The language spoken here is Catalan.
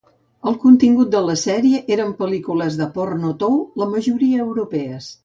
El contingut de la sèrie eren pel·lícules de porno tou, la majoria europees.